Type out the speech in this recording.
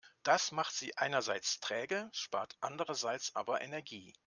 Das macht sie einerseits träge, spart andererseits aber Energie.